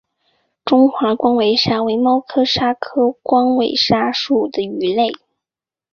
中华光尾鲨为猫鲨科光尾鲨属的鱼类。